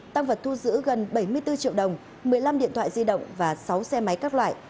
tăng vật thu giữ gần bảy mươi bốn triệu đồng một mươi năm điện thoại di động và sáu xe máy các loại